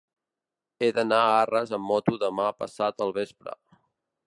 He d'anar a Arres amb moto demà passat al vespre.